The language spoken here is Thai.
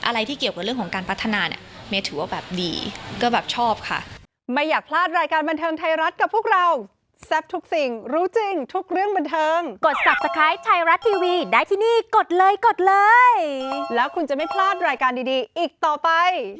อะไรที่เกี่ยวกับเรื่องของการพัฒนาเนี่ยเมย์ถือว่าแบบดีก็แบบชอบค่ะ